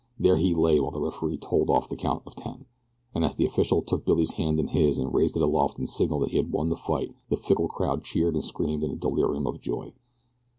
There he lay while the referee tolled off the count of ten, and as the official took Billy's hand in his and raised it aloft in signal that he had won the fight the fickle crowd cheered and screamed in a delirium of joy.